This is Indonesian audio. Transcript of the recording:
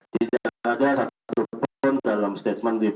tidak ada satu poin dalam statement